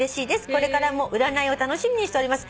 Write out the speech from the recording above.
これからも占いを楽しみにしております。